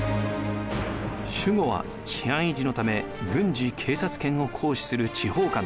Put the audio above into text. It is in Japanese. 守護は治安維持のため軍事・警察権を行使する地方官です。